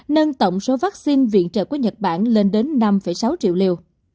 nâng tổng số vaccine viện trợ của nhật bản lên đến năm sáu triệu liều